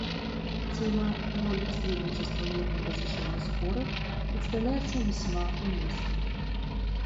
Тема «Роль посредничества в мирном разрешении споров» представляется весьма уместной.